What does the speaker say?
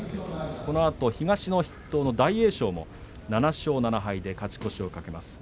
このあと東の筆頭の大栄翔７勝７敗で勝ち越しを懸けます。